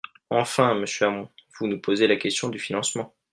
Enfin, monsieur Hamon, vous nous posez la question du financement.